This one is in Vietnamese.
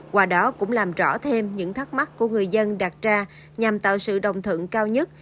qua đó cũng làm rõ thêm những thắc mắc của người dân đặt ra nhằm tạo sự đồng thận cao nhất